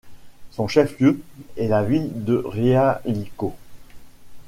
Son chef-lieu est la ville de Realicó.